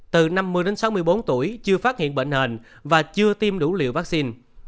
từ năm mươi đến sáu mươi bốn tuổi chưa phát hiện bệnh nền và chưa tiêm đủ liều vaccine